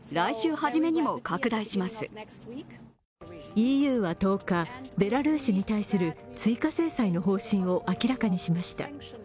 ＥＵは１０日ベラルーシに対する追加制裁の方針をあらにしました。